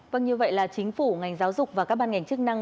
vâng như vậy là chính phủ ngành giáo dục và các ban ngành chức năng